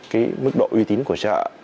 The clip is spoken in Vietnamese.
cái mức độ uy tín của chợ